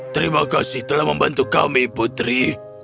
terima kasih telah membantu kami putri